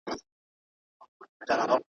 په پردي لاس مار هم مه وژنه ,